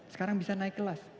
sekarang bisa naik kelas